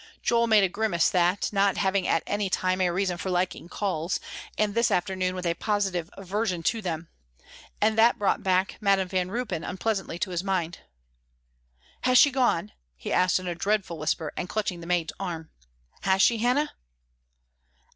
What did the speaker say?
Joel made a grimace at that, not having at any time a reason for liking calls, and this afternoon with a positive aversion to them. And that brought back Madam Van Ruypen unpleasantly to his mind. "Has she gone?" he asked in a dreadful whisper; and clutching the maid's arm, "has she, Hannah?"